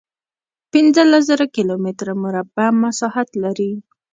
پنځلس زره کیلومتره مربع مساحت لري.